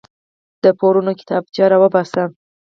د قرضونو کتابچه راوباسه.